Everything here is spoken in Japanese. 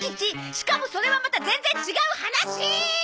しかもそれはまた全然違う話ーっ！